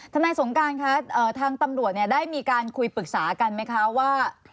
นายสงการคะทางตำรวจได้มีการคุยปรึกษากันไหมคะว่า